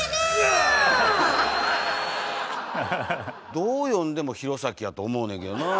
どう読んでも「ひろさき」やと思うねんけどなあ。